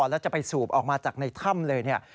แล้วจะไปสูบออกมาจากในท่ำเลย